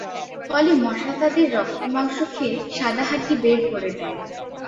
ফলে মশা তাদের রক্ত-মাংস খেয়ে সাদা হাড্ডি বের করে দেয়।